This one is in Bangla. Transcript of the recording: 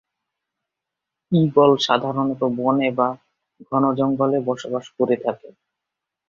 ঈগল সাধারণত বনে বা ঘন জঙ্গলে বসবাস করে থাকে।